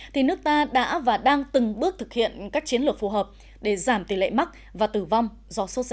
thì nước ta đã và đang từng bước thực hiện các chiến lược phù hợp để giảm tỷ lệ mắc và tử vong do sốt z